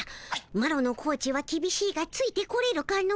マロのコーチはきびしいがついてこれるかの？